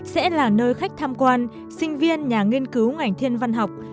sẽ là nơi khách tham quan sinh viên nhà nghiên cứu ngành thiên văn học